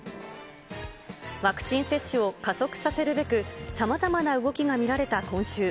ワクチン接種を加速させるべく、さまざまな動きが見られた今週。